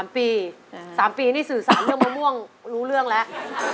๓ปี๓ปีนี่สื่อสารเรื่องมะม่วงรู้เรื่องแล้ว